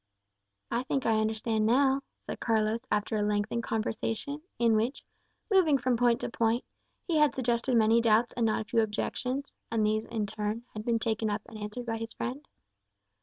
"I think I understand now," said Carlos after a lengthened conversation, in which, moving from point to point, he had suggested many doubts and not a few objections, and these in turn had been taken up and answered by his friend.